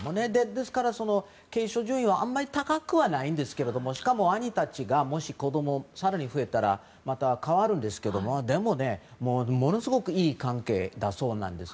ですから、継承順位はあまり高くはないんですけれどもしかも、兄たちがもし子供が更に増えたらまた変わるんですけどもでも、ものすごくいい関係だそうです。